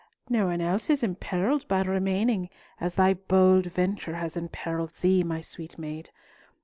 "No one else is imperilled by remaining as thy bold venture has imperilled thee, my sweet maid.